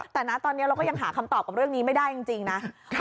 แต่นะตอนนี้เราก็ยังหาคำตอบกับเรื่องนี้ไม่ได้จริงนะ